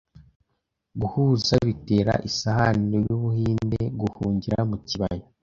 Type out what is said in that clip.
guhuza bitera Isahani y'Ubuhinde guhungira mu kibaya